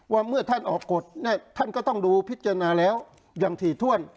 ว่าเมื่อท่านออกกฎท่านก็ต้องดูพิจารณาแล้วอย่างถี่ถ้วน